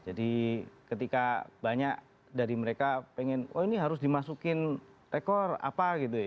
ketika banyak dari mereka pengen oh ini harus dimasukin rekor apa gitu ya